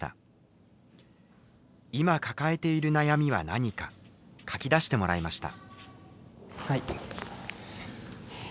今抱えている悩みは何か書き出してもらいました。